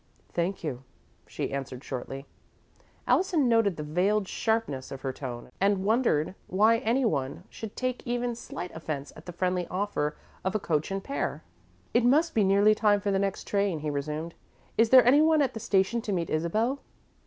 "Thank you," she answered, shortly. Allison noted the veiled sharpness of her tone and wondered why anyone should take even slight offence at the friendly offer of a coach and pair. "It must be nearly time for the next train," he resumed. "Is there anyone at the station to meet Isabel?"